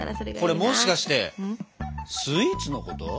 これもしかしてスイーツのこと？